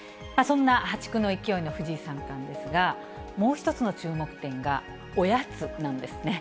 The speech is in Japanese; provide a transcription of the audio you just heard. そんな破竹の勢いの藤井三冠ですが、もう一つの注目点がおやつなんですね。